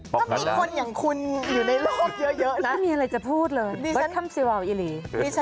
ขอบคุณครับอินี